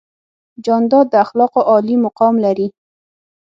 جانداد د اخلاقو عالي مقام لري.